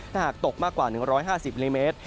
ถ้าหากตกมากกว่า๑๕๐มิลลิเมตร